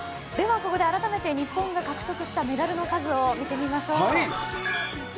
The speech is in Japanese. では、ここで改めて日本が獲得したメダルの数を見てみましょう。